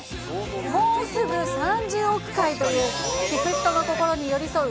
もうすぐ３０億回という、聴く人の心に寄り添う